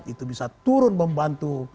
itu bisa turun membantu